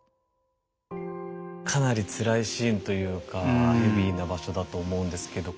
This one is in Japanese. かなりつらいシーンというかヘビーな場所だと思うんですけど。